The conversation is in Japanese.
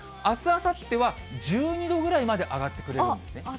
あす、あさっては１２度ぐらいまで上がってくれるんですね。